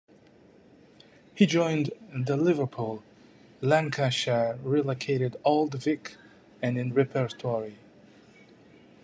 He joined the Liverpool, Lancashire-relocated Old Vic, and in repertory.